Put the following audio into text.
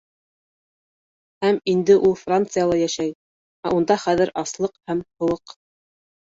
Һәм идне ул Францияла йәшәй, ә унда хәҙер аслыҡ һәм һыуыҡ.